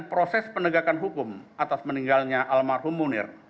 proses penegakan hukum atas meninggalnya almarhum munir